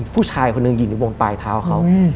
ผู้ชายคนนึงหยิงในวงปลายเท้าเขา